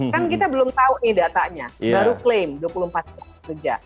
kan kita belum tahu nih datanya baru klaim dua puluh empat jam kerja